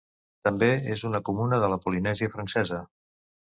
També és una comuna de la Polinèsia francesa.